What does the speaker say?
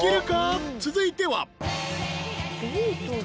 ［続いては］